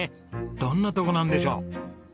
どんなとこなんでしょう？